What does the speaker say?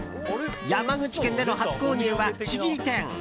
山口県での初購入は、ちぎり天！